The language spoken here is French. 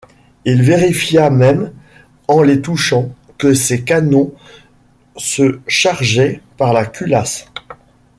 Il vérifia même, en les touchant, que ces canons se chargeaient par la culasse